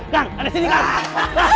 kang ada di sini kan